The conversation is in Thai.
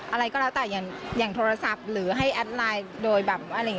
อะไรก็แล้วแต่อย่างโทรศัพท์หรือให้แอดไลน์โดยแบบอะไรอย่างนี้